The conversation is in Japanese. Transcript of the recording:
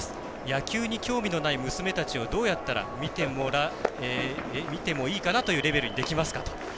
野球に興味のない娘たちをどうやったら観てもいいかな？というレベルにできますか。